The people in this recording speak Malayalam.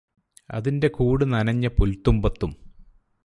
അതിന്റെ കൂട് നനഞ്ഞ പുല്തുമ്പത്തും